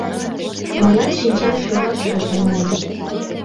Мыят шинчам шӧраш йоднем ыле.